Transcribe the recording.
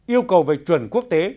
yêu cầu về chuẩn quốc tế